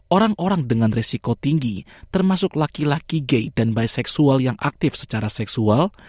orang orang dengan risiko tinggi termasuk laki laki gay dan bisexual yang aktif secara seksual